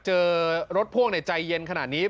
เจอรถพ่วงในใจเย็นขนาดนี้